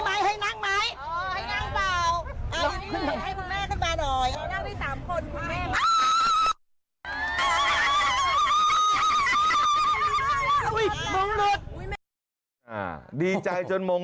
ปั้นสอนบอกให้ฉันนั่ง